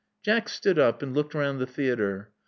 Jack stood up and looked round the theatre.